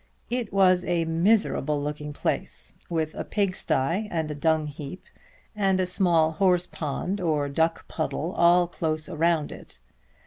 It was a miserable looking place with a pigsty and a dung heap and a small horse pond or duck puddle all close around it.